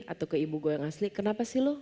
atau ke ibu gue yang asli kenapa sih lo